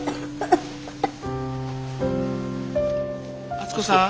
敦子さん？